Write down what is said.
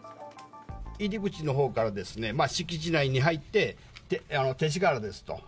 入り口のほうからですね、敷地内に入って、勅使河原ですと。